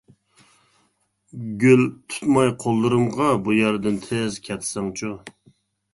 گۈل، تۇتماي قوللىرىمغا، بۇ يەردىن تېز كەتسەڭچۇ.